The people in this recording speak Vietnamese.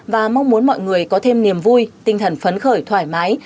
và mong muốn mọi người có thêm niềm vui tinh thần phấn khởi thoải mái